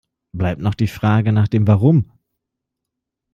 Bleibt noch die Frage nach dem Warum.